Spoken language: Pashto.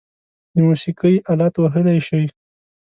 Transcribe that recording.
د موسیقۍ آلات وهلی شئ؟